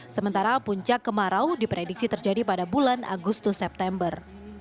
sementara puncak kemarau diprediksi terjadi pada bulan agustus september